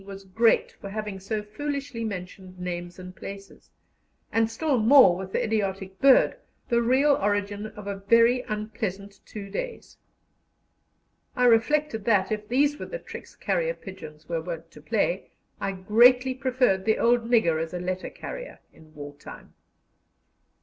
was great for having so foolishly mentioned names and places, and still more with the idiotic bird, the real origin of a very unpleasant two days. I reflected that, if these were the tricks carrier pigeons were wont to play, I greatly preferred the old nigger as a letter carrier in wartime.